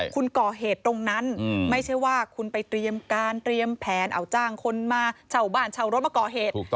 คุณก่อเหตุตรงนั้นไม่ใช่ว่าคุณไปเตรียมการเตรียมแผนเอาจ้างคนมาเช่าบ้านเช่ารถมาก่อเหตุ